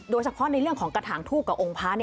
โดยเฉพาะในเรื่องของกระถางทูบกับองค์พระ